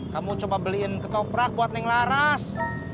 kamu coba beliin ketoprak buat neng laras